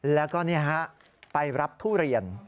แล้วก็นี่ฮะไปรับทุเรียน